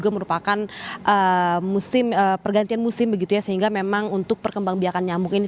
merupakan musim pergantian musim begitu ya sehingga memang untuk perkembang biakan nyambung ini